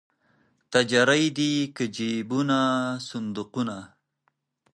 تجرۍ دي که جېبونه صندوقونه